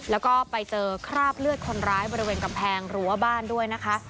แล้วก็ไปเจอคราบเลือดคนร้ายบริเวณกำแพงรั้วบ้านด้วยนะคะ